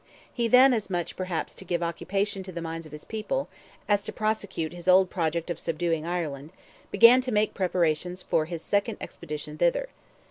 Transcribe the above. He then, as much, perhaps, to give occupation to the minds of his people, as to prosecute his old project of subduing Ireland, began to make preparations for his second expedition thither.